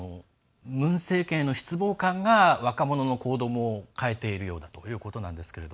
ムン政権への失望感が若者の行動も変えているようだということなんですが。